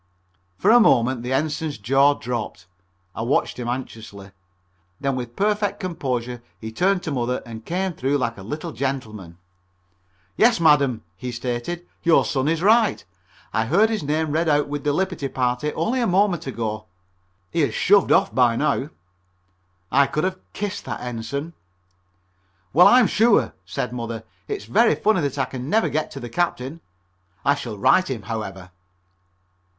For a moment the Ensign's jaw dropped. I watched him anxiously. Then with perfect composure he turned to Mother and came through like a little gentleman. "Yes, madam," he stated, "your son is right. I heard his name read out with the liberty party only a moment ago. He has shoved off by now." I could have kissed that Ensign. "Well, I'm sure," said Mother, "it's very funny that I can never get to the Captain. I shall write him, however."